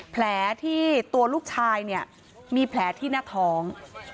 แผลที่ตัวลูกชายเนี่ยมีแผลที่หน้าท้อง